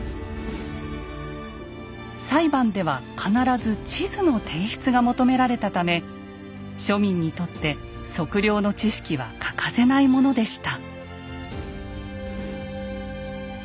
裁判では必ず地図の提出が求められたため庶民にとって測量の知識は欠かせないものでした。